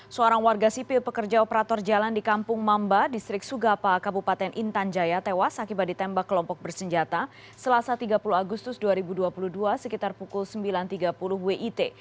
seorang warga sipil pekerja operator jalan di kampung mamba distrik sugapa kabupaten intan jaya tewas akibat ditembak kelompok bersenjata selasa tiga puluh agustus dua ribu dua puluh dua sekitar pukul sembilan tiga puluh wit